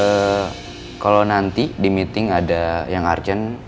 ya kalau nanti di meeting ada yang urgent